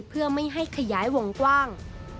เพื่อไม่ให้ขยายวงกว้าง